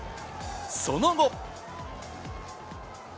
その後。